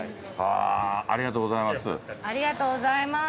ありがとうございます。